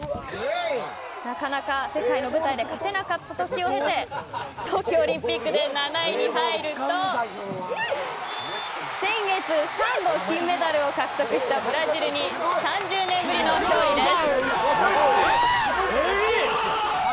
なかなか世界の舞台で勝てなかったときを経て東京オリンピックで７位に入ると先月３度金メダルを獲得したブラジルに３０年ぶりの勝利です。